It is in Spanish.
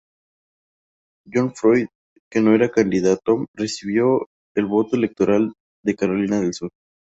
John Floyd, que no era candidato, recibió el voto electoral de Carolina del Sur.